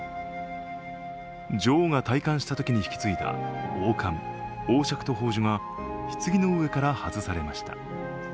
女王が戴冠したときに引き継いだ王冠、王しゃくと宝珠がひつぎの上から外されました。